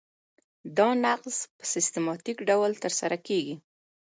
دا نقض په سیستماتیک ډول ترسره کیږي.